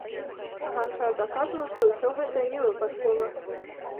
Ганчар даказваў, што ўсё гэта не выпадкова.